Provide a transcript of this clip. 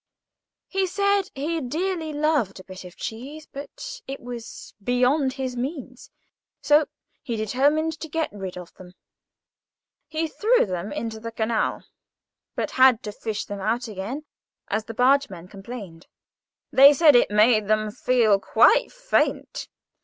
He said he dearly loved a bit of cheese, but it was beyond his means; so he determined to get rid of them. He threw them into the canal; but had to fish them out again, as the bargemen complained. They said it made them feel quite faint.